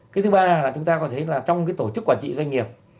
cái thứ ba là chúng ta có thể thấy trong tổ chức quản trị doanh nghiệp